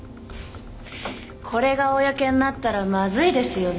これが公になったらまずいですよね？